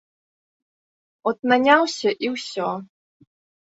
От наняўся і ўсё.